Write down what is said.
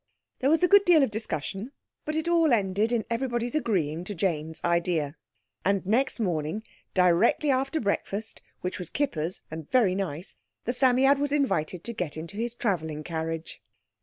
There was a good deal of discussion, but it all ended in everybody's agreeing to Jane's idea. And next morning directly after breakfast (which was kippers and very nice) the Psammead was invited to get into his travelling carriage.